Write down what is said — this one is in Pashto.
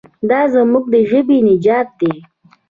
دا زموږ د ژبې نجات دی.